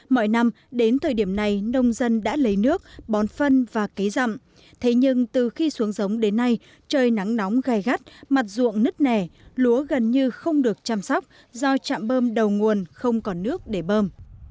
mọi năm đến thời điểm này nông dân đã lấy nước bón phân và cấy rậm thế nhưng từ khi xuống giống đến nay trời nắng nóng gai gắt mặt ruộng nứt nẻ lúa gần như không được chăm sóc do chạm bơm đầu nguồn không có nước để bơm